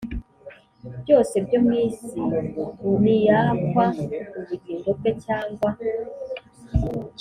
Byose byo mu isi niyakwa ubugingo bwe cyangwa